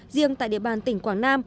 riêng tại địa bàn tỉnh quảng nam